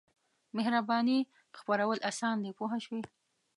مهربانۍ خپرول اسان دي پوه شوې!.